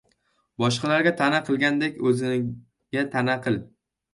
• Boshqalarga ta’na qilgandek o‘zingga ta’na qil.